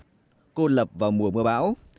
ngập lụt cô lập vào mùa mưa bão